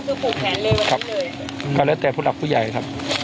นั่นคือปลูกแผนเลยเหรอครับครับก็แล้วแต่ผู้หลักผู้ใหญ่ครับ